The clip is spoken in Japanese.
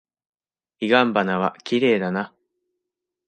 彼岸花はきれいだな。